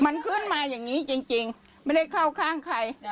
มันขึ้นมาอย่างนี้จริงไม่ได้เข้าข้างใครนะ